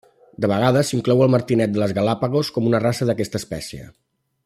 De vegades s'inclou el martinet de les Galápagos com una raça d'aquesta espècie.